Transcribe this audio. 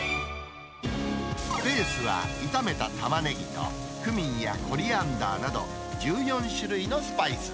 ベースは炒めたタマネギとクミンやコリアンダーなど、１４種類のスパイス。